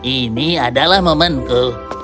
ini adalah momenku